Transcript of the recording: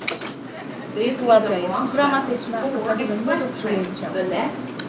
Sytuacja jest dramatyczna, a także nie do przyjęcia